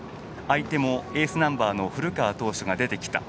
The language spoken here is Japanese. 相手も、エースナンバーの古川投手が出てきた。